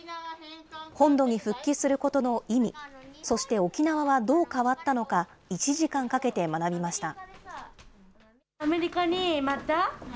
本土に復帰することの意味、そして沖縄はどう変わったのか、１時間かけて学びました。